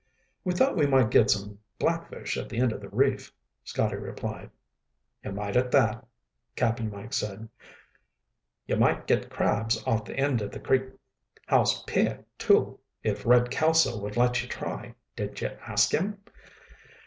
"We thought we might get some blackfish at the end of the reef," Scotty replied. "You might at that," Cap'n Mike said. "You might gets crabs off the end of the Creek House pier, too, if Red Kelso would let you try. Did you ask him?"